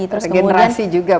tergenerasi juga mungkin